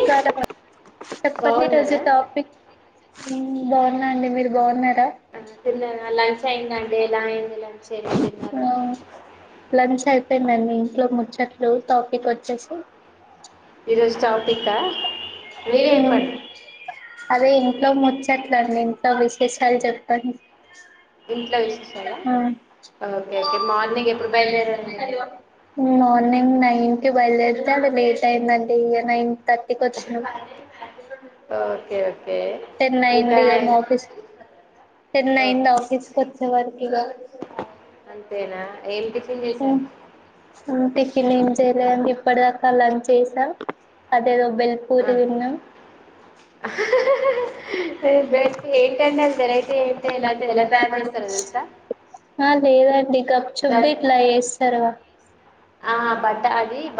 చెప్పజ [unintelligible] topic బాగున్నా అండి మీరు బాగున్నారా హా లంచ అయిప్ అే మీ ఇంట్లో ముచ్చట్లు టాపిక్ వచ్చేసి ఏ అదే ఇంట్లో ముచ్చట్లండి ఇంట్లో విశేషాలు చెప్పం హా మనింగ్ న నైన్ కి బయలుదేరితే అ లేట్ అయిందండి ఇగా నైన్ థర్టీకి వచ్చిన ఓకే ఓకే ఇకా టన్న అయింది ఆఫీస్కి వచ్చే వరకి ఇలా ఓ అంతేకిన్ ఏం చేయలేండి ఇప్పటిదాకా లంచ్ చేసాం అదేదో బెల్పూరిన్న బ ఏంట అండి అ వెరైటీ ఏంటి ఎంత ఎలా తయారు చేస్త ఎదసా ఆ లేదండి గ్యాప్‌చప్ ని ఇట్లా వేస్తారువా ఆ హమ్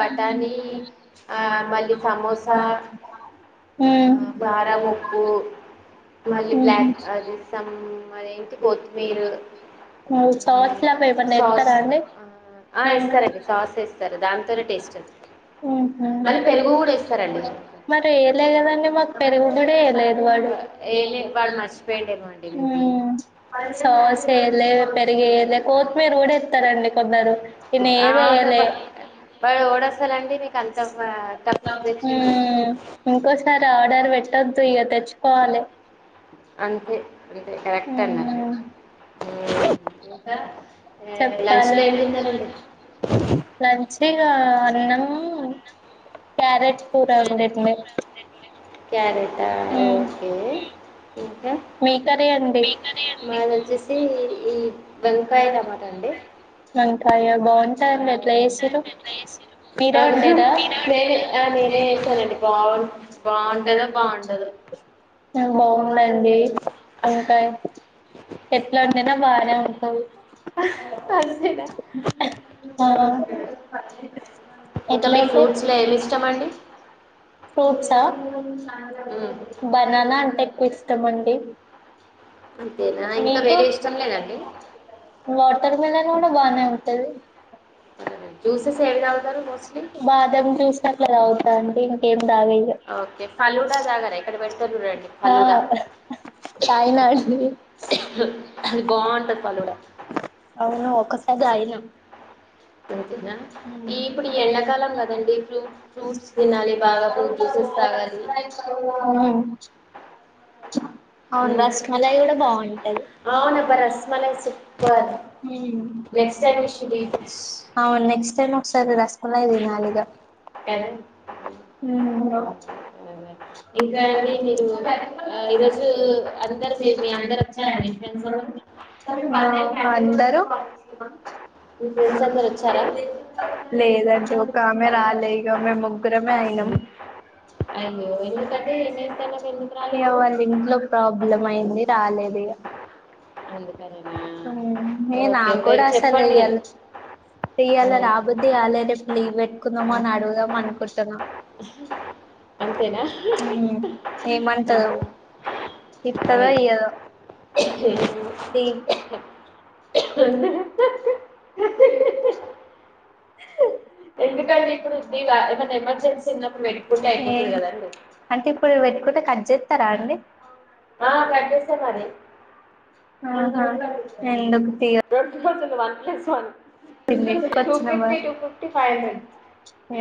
మళ్ళీ బ్లాక్ అది సంమ్ అద ఏంటి కొత్తిమీరు చవట్లా ప పడి ఇతారా అండి ఆ ఇేస్తారంండి సాస్ వేస్తారు దాంతోనే టేస్ట్ మళ్ళీ పెరుగు కూడా ఇస్తారు మరి వలే కదండి మాకు పెరుగు కూడాడ వలేదు హమ్ సాస్ యలే పెరుగు యలే యలే కోతిమీర ఓడ ఇస్తారంండి కొందరు ఇన్ని ఏర వయ్యాల ఇంకోసారి ఆర్డర్ పెట్టొద్దు ఇ్య తెచ్చుకోవాలి అంతే అంతే కరెక్ట్ అడిండి కా లంచ టైమ్ ఇంద ఉడి లంచి అన్నం క్యారెట్ కూర ఉందిడి క్యారేటా ఓకే ఇంకాకా మనది వచ్చేసి ఈ వంకాయ టమాటా అంటడి వంకాయ బాగుంటాయిండి ఎట్లా చేసిరు తీరా ఉండేదా బాగుా బాగున్నాయిడి ఇంకా ఎట్లా ఉండినా బాగానే ఉంటావు ఆ ఎట్లయితే ఫ్రూట్సా బనానా అంటే ఎక్కువ మండి మీకు వాటర్ మిలన్ కూడా బానే ఉంటది బాదం పిస్తా ఆట్లా తాగుతా అంటే ఇంకేం తాగ ఆ చైనా ఈ అవును అవును ఒకసారి అయినా ఎ అవును రస్మలాయి కూడా బాగుంటది ఉమ్ నెక్స్ట్ ఏమో స్వీట్స్ అవున్ నెక్స్ట్ అయినా ఒకసారి రస్ పుల్లై తినాలి ఇక ఉహుం ఒ ఇంకా నీకు ఎక్కువ కస్టమర్లు లేరా అసలు అంతసేపు ఐదు నిమిషాలు అని ఫ్రెండ్స్ అంగా హా అందరు లేదండి ఒక ఆమె రాలే ఇక మేము గ్రమే అయినం అయ్యో [unintelligible] అ వాళ ఇంట్లో ప్రాబ్లం అయింది రాలేదు ఇన్ ఉ మే నాకూడా అసలు అయ్యల్ ఇయాల రాబోద్ది కాలేదే రెప్ లీవ్ పెట్టుకుందామ అని అడుగుదామ అనుకుంటున్నాం అంతేనా ఉమ్ ఏమంటదో ఇస్తాదో ఇయ్యాదో నీ అ ఎందుక మీ ముందుగా ఎమర్జెన్సీ పెట్టుకుంటే అయిపోయే అంటే ఇప్పుడు పెట్టుకుంటే కట్ చేస్తారా అండి ఆ కట్ చేస్తారు మరి ఆ ఎందుకు తీ వన్ ప్లస్ వన్ ఎత్తు కొచ్చినావ సైలెన్స్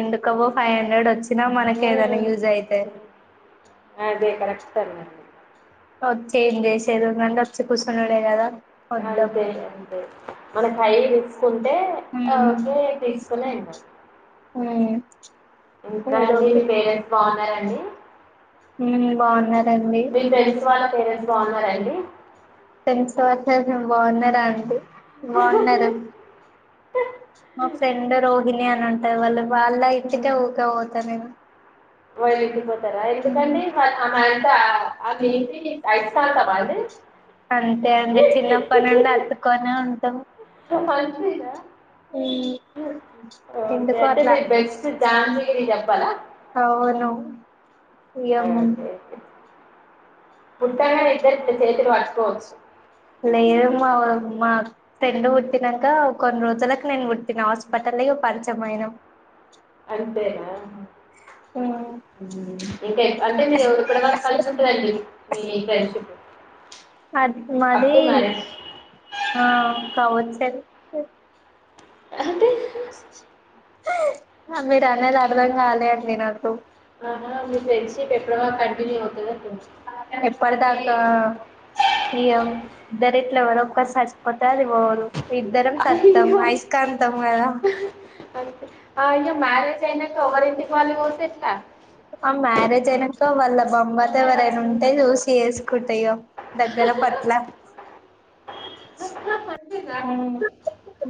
ఎందుకవో ఫైవ్ హండ్రెడ్ వచ్చినా మనకే ఏదైనా యూజ్ అయితది అదే గద వచ్చి ఏం చేసేది ఉండదు వచ్చి కూసునూడే కదా వద్ద [unintelligible] నిన్న నైట్ అంటే ఉహూ [unintelligible] తీసుకుని ఉమ్ [unintelligible] ఉమ్ బాగున్నారా అండి మీ ఫ్రెండ్స్ బాగున్నారా అండి [unintelligible] బాగున్నారా అండి బాగున్నారండీ మా ఫ్రెండ్ రోహిణి అని ఉంటారు వాళ్ళు వాళ్ళ ఇంటికే ఊక పోతా నేను వాళ్ళ ఇంటికి పోతారా ఎందుకు కండి వాళ్ళ ఆమె అంత అమె ఏంటి ఐస్కాంతమా అండి అంతే అండి చిన్నప్పటినుండి అతుక్కొనే ఉంటాం ఉమ్ ఎందుకో అట్లా బెస్ట్ జాన్ జిగిరి అని చెప్పాలా అవు ను ఆ కే కే ఉత్త అయితే చేతిని పట్టుకొని పోవచ్చు లేదు మా ఫ్రెండ్ పుట్టినాక కొన్ని రోజులకు నేను పుట్టిన హాస్పిటల్ పరిచయమయిన అప్పుడ ఓ [unintelligible] ఏంటి అయితే అది మాది ఆ కావచ్చు అది అమ మీరు అనేది అర్థం కాలే అండి నాకు ఎప్పటిదాకా అయ్యో ఇద్దరు ఇట్ల ఎవరో ఒక్కరు సచ్చిపోతే అది పోదు ఇద్దరం సత్తం ఐస్ అంటాము కదా ఆ మ్యారేజ్ డే ఆ మ్యారేజ్ అయినంకా వాళ్ళ బామ్మర్థి ఎవరైనా ఉంటే చూసి చేసుకుంటా ఇగ దగ్గర పట్ల మ్మ్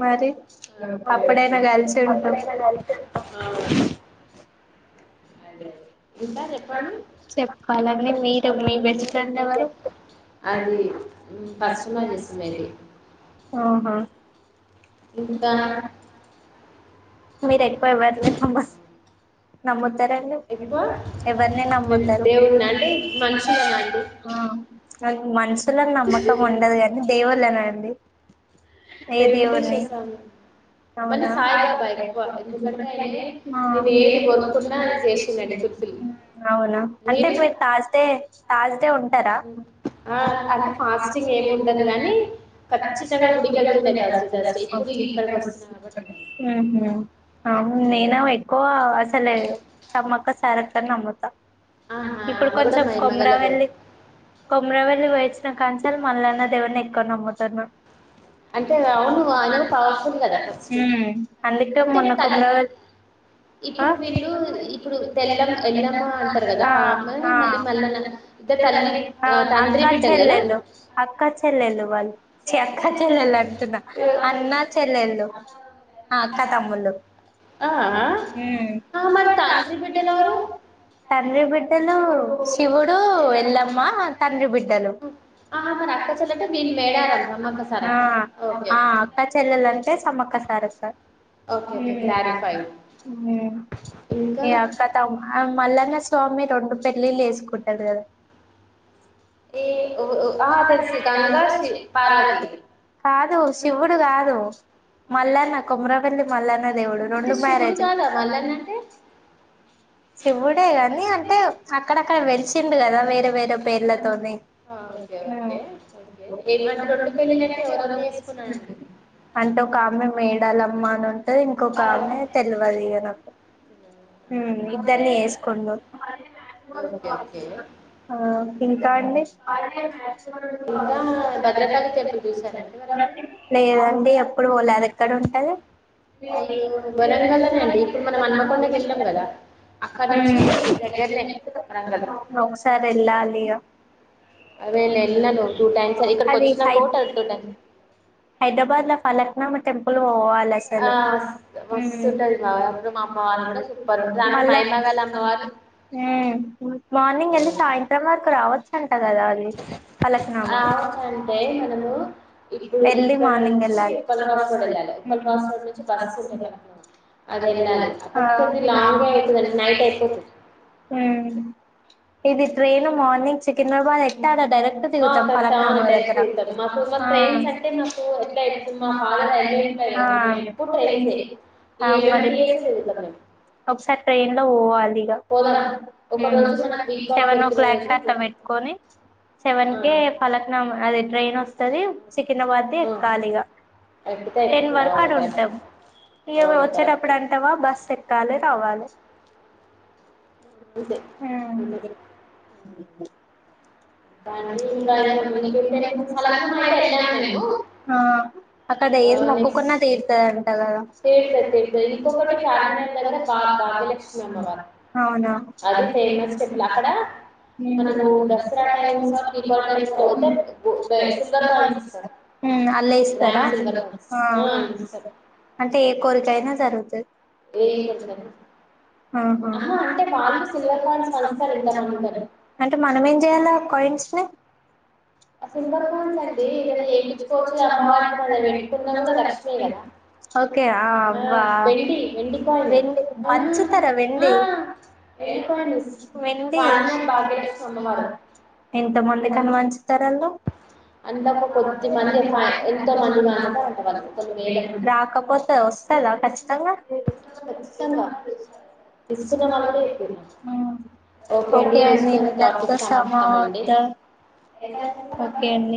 మరి అప్పుడే కదా అయితది చెప్పలండి మీ బెస్ట్ ఫ్రెండ్ ఎవరు హ్హా ఇంకా మీరు అయిపోయేవారు నమ్మకు ఎవరిని నమ్మద్దండి నాకు మనుషుల మీద నమ్మకం ఉండదు కానీ దేవుళ్ళ మీద నమ్మకం ఏ దేవున్ని నమ్ముతావ్ ఆ మ్మ్ అవునా అంటే మీరు తాజ్డే తాజ్దే ఉం టారా కచ్చితంగా గుడికి వెళ్తూ వుండేదాన్ని ఆ నేను ఎక్కువ అసలు సమ్మక్క సారక్క ను నమ్ముతా ఇప్పుడు కొంచెం కొమురవెల్లి కొమురవెల్లి పోయి వచ్చిన కాంచెల్లి మల్లన్న దేవున్ని ఎక్కువ నమ్ముతున్నా మ్మ్ అందుకు మొన్న కొమురవెల్లి ఆ ఆ అక్కచెల్లెల్లు వాళ్ళు అన్న చెల్లెల్లు ఆ అక్క తమ్ముళ్ళు మ్మ్ తండ్రి బిడ్డలు శివుడు ఎల్లమ్మ తండ్రి బిడ్డలు ఆ అక్క చెల్లెల్లు అంటే సమ్మక్క సరే సరే మ్మ్ మ్మ్ ఇగ అక్క తమ్ము ఆ మల్లన్న స్వామి రెండు పెళ్లిళ్ళు చేసుకుంటడు కదా ఆ భారతి కాదు శివుడు కాదు మల్లన్న కొమురవెల్లి మల్లన్న దేవుడు రెండు మ్యారేజు లు శివుడే గాని అంటే అక్కడక్కడ వెలిచిండు కదా వేరే వేరే పేర్లతోని ఆ ఓకే ఓకే అంటే ఒక ఆమే మేడారం వాళ్ళమ్మా అని ఉంటది ఇంకొక ఆమె తెలివదు ఇగ నాకు ఇద్దర్ని చేసుకుండు వాళ్లకేం తెలుసు లేదండి ఎప్పుడు పోలె అదే ఎక్కడుంటది ఒకసారి వెళ్ళాలి ఇగా అదే హైదరాబాద్ లా పలక్నామ్ టెంపుల్ అస్సలు ఆ ఉమ్ మార్నింగ్ వె సాయంత్రం వరకు రావచ్చు అను కదా అది పలకనామా ఎర్లీ మార్నింగ్ ఎలాస బస్ అదే ఇ మ కిన్న బా ఎట్టడ డైరక్ట్ తిగుతాం పలక మా బాల తగ ఎప్పులై ఒకసారి ట్రైన్ లో పోవాలి సెవెన్ ఓ క్లాక్ కట్ట పెట్టుకని సెవన్క పలక్నామ అది సర సికినాబాద్ది కాలిగా టెన్ వరకు అడా ఉంటాం ఏవో వచ్చేటప్పుడు అంటావా బస్ ఎక్కాలే ఉమ్ ఆ అక్కడి [unintelligible] అవునా అది హ్ అల్ల ఏస్తారా అ అంటే ఏ కోరిక అయినా జరుగుతది ఏ కోరికైనా ఆహా అంటే మనం ఏం చెయ్యాలా కోన్స్నా [unintelligible] ఓకే అ అబ్బా వెండి పంచుతారా వెండి ఏ పాయలు ఏందీ యా మర్లే ఇంత మంది కని పంచుతారు అల్లా రాకపోతే వస్తాదా ఖచ్చి [inaudible] మా ఏసుకున్నావా ఏంటి ఆ ఓకే నే అంట త ఓకే అండీ